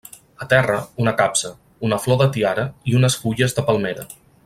A terra, una capsa, una flor de tiara i unes fulles de palmera.